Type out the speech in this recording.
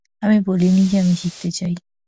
আমি বলিনি যে আমি শিখতে চাই!